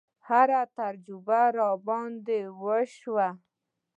هره تجربه راباندې وشوه.